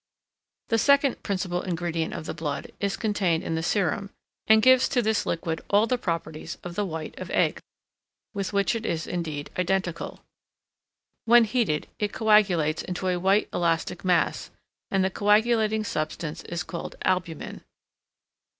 The second principal ingredient of the blood is contained in the serum, and gives to this liquid all the properties of the white of eggs, with which it is indeed identical. When heated, it coagulates into a white elastic mass, and the coagulating substance is called albumen.